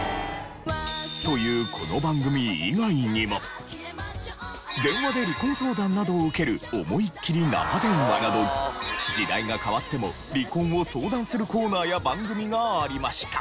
という電話で離婚相談などを受ける「おもいッきり生電話」など時代が変わっても離婚を相談するコーナーや番組がありました。